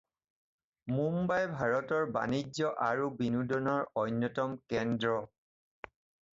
মুম্বাই ভাৰতৰ বাণিজ্য আৰু বিনোদনৰ অন্যতম কেন্দ্ৰ।